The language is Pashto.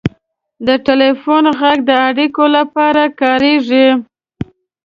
• د ټلیفون ږغ د اړیکې لپاره کارېږي.